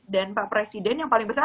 dan pak presiden yang paling besar